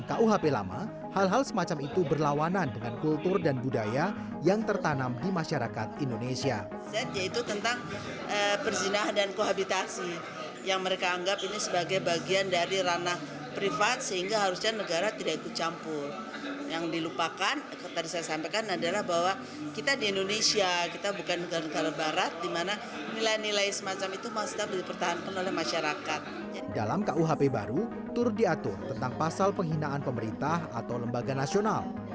kuhp baru turut diatur tentang pasal penghinaan pemerintah atau lembaga nasional